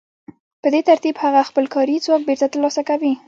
په دې ترتیب هغه خپل کاري ځواک بېرته ترلاسه کوي